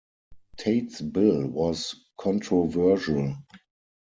Tait's bill was controversial.